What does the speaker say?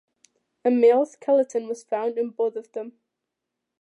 A male skeleton was found in both of them.